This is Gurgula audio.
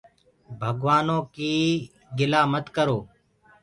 ڀگوآنو ڪيٚ گِلآ مت ڪرو۔